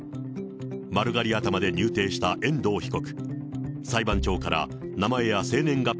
丸刈り頭で入廷した遠藤被告。